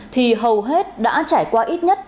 thì hầu hết đã trải qua ít nhất